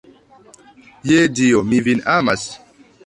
Je Dio, mi vin amas.